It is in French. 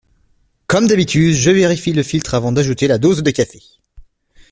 Comme d’habitude, je vérifie le filtre avant d’ajouter la dose de café.